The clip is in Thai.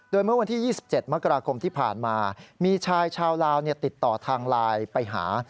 โดยเมื่อวันที่๒๗มกราคมที่ผ่านมามีชายชาวลาวติดต่อทางไลน์ไปหา